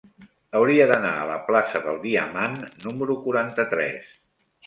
Hauria d'anar a la plaça del Diamant número quaranta-tres.